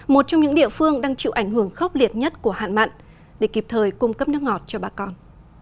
một trong những địa phương đang chịu ảnh hưởng khốc liệt nhất của hạn mặn để kịp thời cung cấp nước ngọt cho bà con